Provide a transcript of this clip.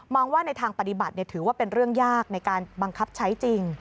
ว่าในทางปฏิบัติถือว่าเป็นเรื่องยากในการบังคับใช้จริง